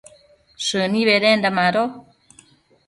shëni bedenda mado